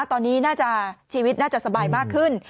ตอนนี้น่าจะชีวิตน่าจะสบายมากขึ้น